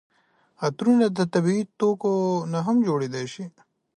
عطرونه د طبیعي توکو نه هم جوړیدای شي.